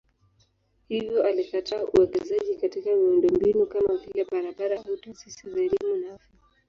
Hivyo alikataa uwekezaji katika miundombinu kama vile barabara au taasisi za elimu na afya.